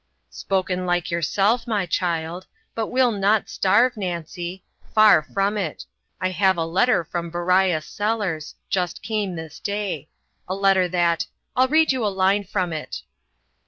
"Spoken like yourself, my child! But we'll not starve, Nancy. Far from it. I have a letter from Beriah Sellers just came this day. A letter that I'll read you a line from it!"